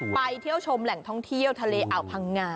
ไปเที่ยวชมแหล่งท่องเที่ยวทะเลอ่าวพังงา